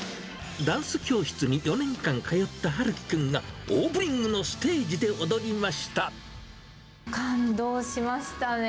ダンス教室に４年間通ったはるき君が、オープニングのステー感動しましたね。